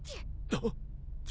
あっ？